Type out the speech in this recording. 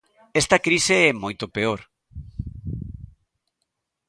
Esta crise é moito peor.